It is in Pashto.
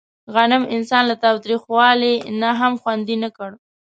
غنم انسان له تاوتریخوالي نه هم خوندي نه کړ.